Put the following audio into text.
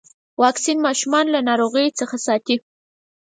واکسین ماشومان له ناروغيو څخه ساتي.